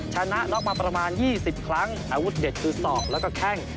ชนะน็อกมาประมาณ๒๐ครั้งอาวุธเด็ดคือศอกแล้วก็แข้ง